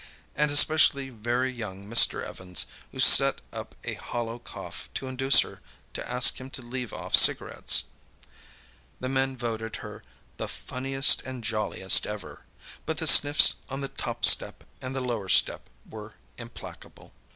And especially very young Mr. Evans, who set up a hollow cough to induce her to ask him to leave off cigarettes. The men voted her "the funniest and jolliest ever," but the sniffs on the top step and the lower step were implacable.